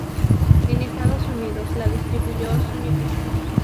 En Estados Unidos la distribuyó Sony Pictures.